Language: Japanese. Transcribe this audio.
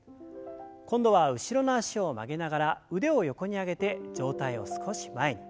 今度は後ろの脚を曲げながら腕を横に上げて上体を少し前に。